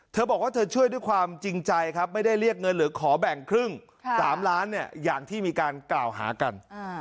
เธอบอกว่าเธอช่วยด้วยความจริงใจครับไม่ได้เรียกเงินหรือขอแบ่งครึ่ง๓ล้านอย่างที่มีการกล่าวหากัน